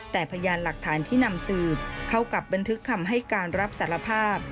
แต่พยานหลักฐานที่นำสืบเข้ากับบันทึกคำให้การรับสารภาพ